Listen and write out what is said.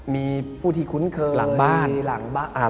มีผู้ที่คุ้นเคยหลังบ้าน